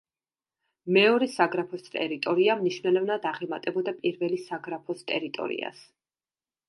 მეორე საგრაფოს ტერიტორია მნიშვნელოვნად აღემატებოდა პირველი საგრაფოს ტერიტორიას.